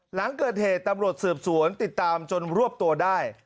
หลังเกิดเหตุตำรวจสืบสวนติดตามจนรวบตัวได้